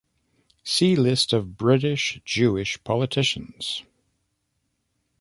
"See List of British Jewish politicians".